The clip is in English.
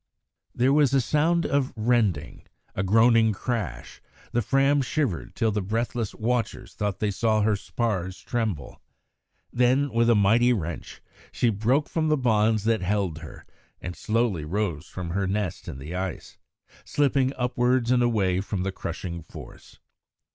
There was a sound of rending; a groaning crash; the Fram shivered till the breathless watchers thought they saw her spars tremble. Then, with a mighty wrench, she broke from the bonds that held her, and slowly rose from her nest in the ice, slipping upwards and away from the crushing force.